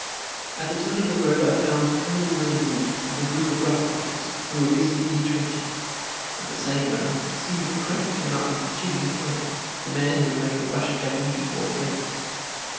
At the turn of the road I found Colonel Leonard Wood and a group of Rough Riders, who were busily intrenching. At the same moment Stephen Crane came up with "Jimmy" Hare, the man who has made the Russian Japanese War famous.